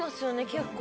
結構